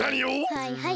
はいはい。